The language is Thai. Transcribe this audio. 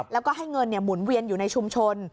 แล้วก็ให้เงินหมุนเวียนอยู่ในชุมชน